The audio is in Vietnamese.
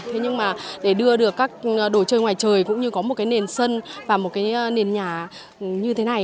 thế nhưng mà để đưa được các đồ chơi ngoài trời cũng như có một cái nền sân và một cái nền nhà như thế này